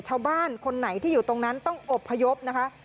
ชาวบ้านคนไหนอยู่ตรงนั้นต้องอบพยพนะคะ